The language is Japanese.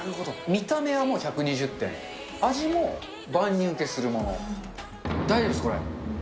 見た目はもう１２０点、味も万人受けするもの、大丈夫です、これ。